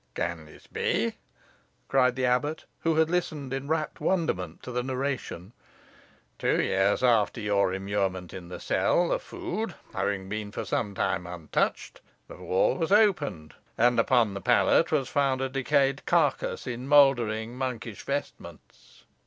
"Can this be?" cried the abbot, who had listened in rapt wonderment to the narration. "Two years after your immurement in the cell, the food having been for some time untouched, the wall was opened, and upon the pallet was found a decayed carcase in mouldering, monkish vestments."